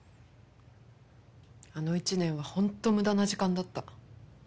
あの１年は本当無駄な時間だった。